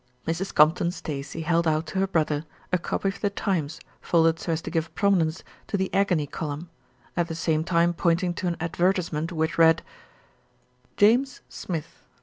Mrs. Compton Stacey held out to her brother a copy of The Times folded so as to give prominence to the agony column, at the same time pointing to an advertisement which read: JAMES SMITH.